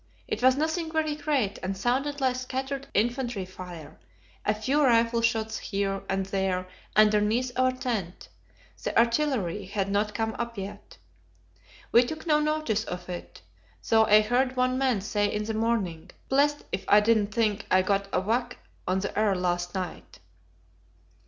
It was nothing very great, and sounded like scattered infantry fire a few rifle shots here and there underneath our tent; the artillery had not come up yet. We took no notice of it, though I heard one man say in the morning: "Blest if I didn't think I got a whack on the ear last night."